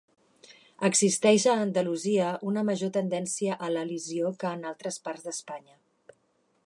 Existeix a Andalusia una major tendència a l'elisió que en altres parts d'Espanya.